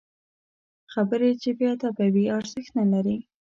خبرې چې بې ادبه وي، ارزښت نلري